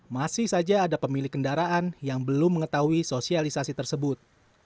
masih saja ada pemilik kendaraan yang belum mengetahui sosialisasi tersebut